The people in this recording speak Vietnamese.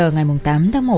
ngày tám tháng một